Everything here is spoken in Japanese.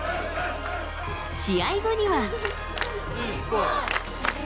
試合後には。